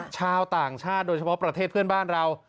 ชาวต่างชาติโดยเฉพาะประเทศเพื่อนบ้านเรา